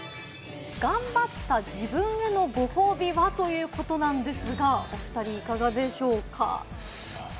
頑張った自分へのご褒美は？ということなんですが、お二人いかがでしょうか？